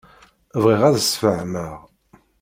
Bɣiɣ ad d-sfehmeɣ.